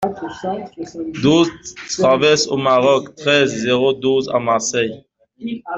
douze traverse du Maroc, treize, zéro douze à Marseille